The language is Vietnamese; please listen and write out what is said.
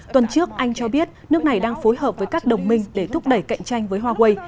tuần trước anh cho biết nước này đang phối hợp với các đồng minh để thúc đẩy cạnh tranh với huawei